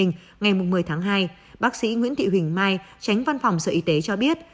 ngày một mươi tháng hai bác sĩ nguyễn thị huỳnh mai tránh văn phòng sở y tế cho biết